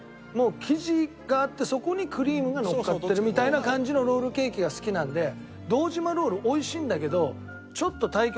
もう生地があってそこにクリームがのっかってるみたいな感じのロールケーキが好きなんで堂島ロールおいしいんだけど。